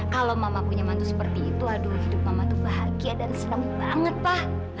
kalau mama punya mantu seperti itu aduh hidup mama tuh bahagia dan senang banget pak